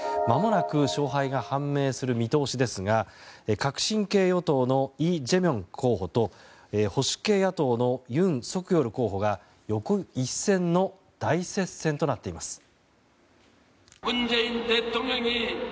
まもなく勝敗が判明する見通しですが革新系与党のイ・ジェミョン候補と保守系野党のユン・ソクヨル候補が横一線の大接戦となっています。